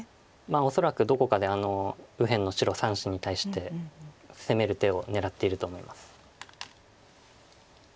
恐らくどこかで右辺の白３子に対して攻める手を狙っていると思います。